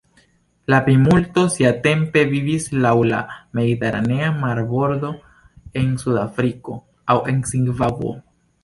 La plimulto siatempe vivis laŭ la mediteranea marbordo, en Sudafriko, aŭ en Zimbabvo.